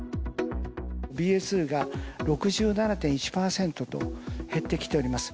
ＢＡ．２が６７．１％と減ってきております。